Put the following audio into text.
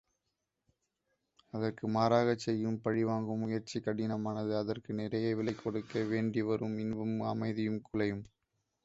அதற்கு மாறாகச் செய்யும் பழிவாங்கும் முயற்சி கடினமானது அதற்கு நிறைய விலை கொடுக்க வேண்டிவரும் இன்பமும் அமைதியும் குலையும்.